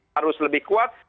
harus lebih kuat